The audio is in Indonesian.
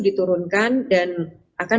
diturunkan dan akan